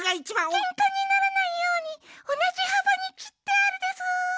ケンカにならないようにおなじはばにきってあるでスー。